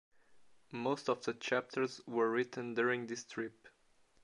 Most of the chapters were written during this trip.